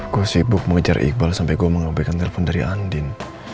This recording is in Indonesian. gue sibuk mau ngejar iqbal sampai gue menghapuskan telepon dari andin